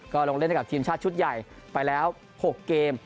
ก็ลงเล่นให้กับทีมชาติชุดใหญ่ไปแล้ว๖เกม